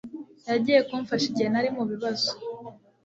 Yagiye kumfasha igihe nari mubibazo